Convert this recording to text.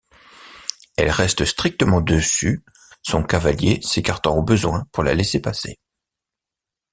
Elle reste strictement dessus, son cavalier s'écartant au besoin pour la laisser passer.